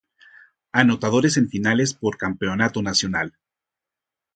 Anotadores en finales por Campeonato Nacional.